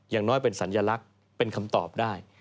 อย่างน้อยเป็นสัญลักษณ์เป็นคำตอบได้